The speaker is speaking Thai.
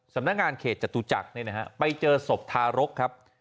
สำนักงานเขตจตุจักรเนี่ยนะฮะไปเจอศพทารกครับ